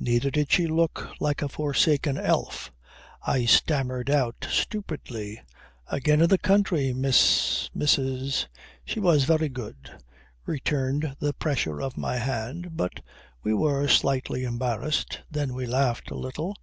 Neither did she look like a forsaken elf. I stammered out stupidly, "Again in the country, Miss ... Mrs ..." She was very good, returned the pressure of my hand, but we were slightly embarrassed. Then we laughed a little.